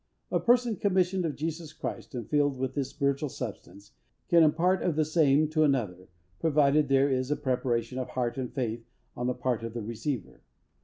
A person commissioned of Jesus Christ, and filled with this spiritual substance, can impart of the same to another, provided there is a preparation of heart, and faith on the part of the receiver.